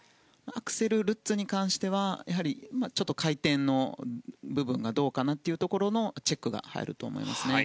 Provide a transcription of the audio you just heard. アクセルやルッツに関しては回転の部分がどうかなというチェックが入ると思います。